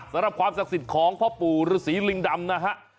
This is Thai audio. สำหรับความศักดิ์สิทธิ์ของพ่อปู่ฤษีลิงดำนะฮะ